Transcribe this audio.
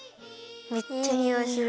めっちゃにおいする。